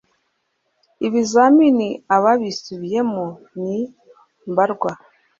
ibizamini ababisubiyemo ni mbarwa